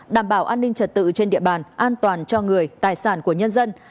đảm bảo an ninh trật tự trên địa bàn an toàn cho người tài sản của nhân dân